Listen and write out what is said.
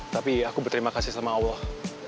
tapi aku berterima kasih sama allah